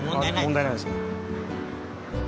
問題ないんですね。